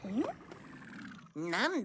なんだ？